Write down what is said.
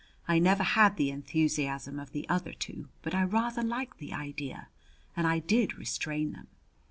I never had the enthusiasm of the other two, but I rather liked the idea. And I did restrain them.